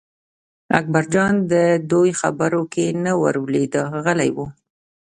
اکبرجان د دوی خبرو کې نه ور لوېده غلی و.